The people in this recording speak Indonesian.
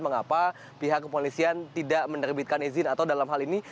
mengapa pihak kepolisian tidak menerbitkan izin atau dalam hal ini